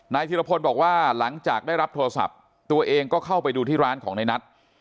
ธิรพลบอกว่าหลังจากได้รับโทรศัพท์ตัวเองก็เข้าไปดูที่ร้านของในนัท